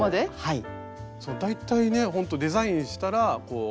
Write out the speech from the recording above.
はい。